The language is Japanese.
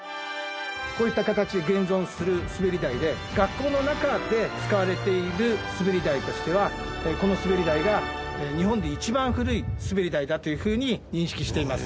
こういった形現存するスベリ台で学校の中で使われているスベリ台としてはこのスベリ台が日本で一番古いスベリ台だというふうに認識しています。